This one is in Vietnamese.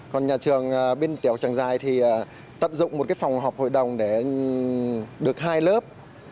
còn nhà trường bên tiểu trang dài thì tận dụng một cái phòng học hội đồng để được hai lớp